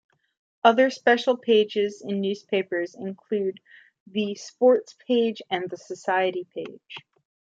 Other special pages in newspapers include the sports page and the society page.